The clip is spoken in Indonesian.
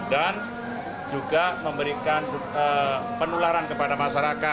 dan juga memberikan penularan kepada masyarakat